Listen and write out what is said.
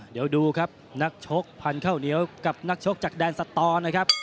เดี๋ยวดูครับนักชกพันธุ์ข้าวเหนียวกับนักชกจากแดนสตอร์นะครับ